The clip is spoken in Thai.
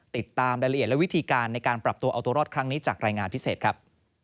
ติดตามรายละเอียดและวิธีการในการปรับตัวเอาตัวรอดครั้งนี้จากรายงานพิเศษครับ